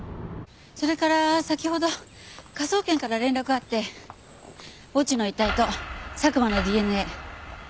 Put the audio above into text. それから先ほど科捜研から連絡があって墓地の遺体と佐久間のＤＮＡ一致したそうです。